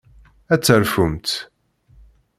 Ad terfumt.